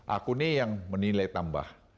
aku nih yang menilai tambah